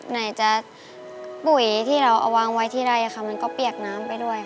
ไหนจะปุ๋ยที่เราเอาวางไว้ที่ไร่ค่ะมันก็เปียกน้ำไปด้วยค่ะ